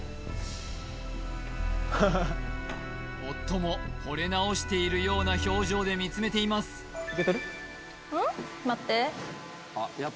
ハハハ夫もほれ直しているような表情で見つめています１４！